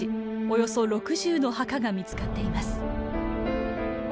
およそ６０の墓が見つかっています。